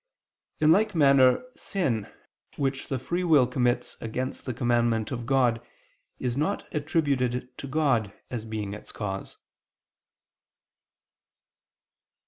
In like manner sin, which the free will commits against the commandment of God, is not attributed to God as being its cause.